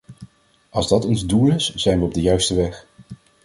Als dat ons doel is, zijn we op de juiste weg.